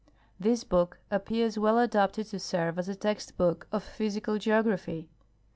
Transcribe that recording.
This book appears well adapted to serve as a text book of physical geography.